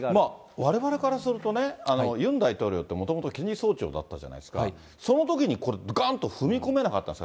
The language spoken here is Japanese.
われわれからするとね、ユン大統領って、もともと検事総長だったじゃないですか、そのときにこれ、がんと踏み込めなかったんですか？